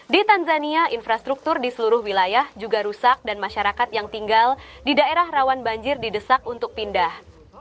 di tanzania infrastruktur di seluruh wilayah juga rusak dan masyarakat yang tinggal di daerah rawan banjir didesak untuk pindah